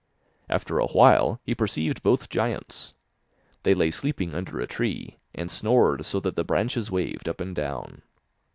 After a while he perceived both giants. They lay sleeping under a tree, and snored so that the branches waved up and down.